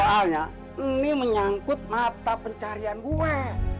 soalnya ini menyangkut mata pencarian gue